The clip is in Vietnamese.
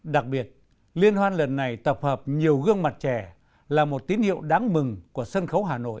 đặc biệt liên hoan lần này tập hợp nhiều gương mặt trẻ là một tín hiệu đáng mừng của sân khấu hà nội